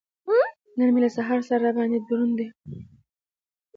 نن مې له سهاره سر را باندې دروند دی.